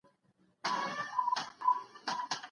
تخیل د بریا نقشه ده.